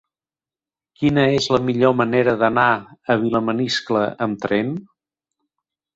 Quina és la millor manera d'anar a Vilamaniscle amb tren?